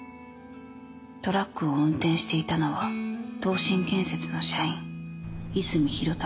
トラックを運転していたのは東進建設の社員泉広隆